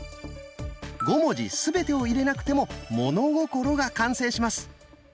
５文字すべてを入れなくても「物心」が完成します。